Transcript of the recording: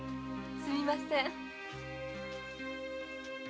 すみません。